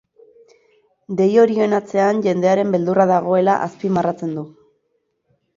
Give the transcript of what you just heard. Dei horien atzean jendearen beldurra dagoela azpimarratzen du.